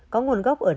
có nguồn gốc ở đài loan